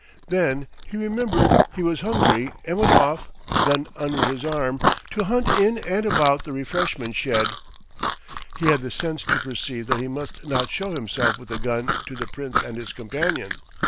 Then he remembered he was hungry and went off, gun under his arm, to hunt in and about the refreshment shed. He had the sense to perceive that he must not show himself with the gun to the Prince and his companion.